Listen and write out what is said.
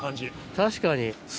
確かに。